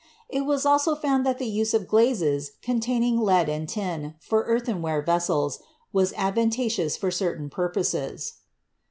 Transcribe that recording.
It was also found that the use of glazes contain ing lead and tin for earthenware vessels was advantageous for certain purposes.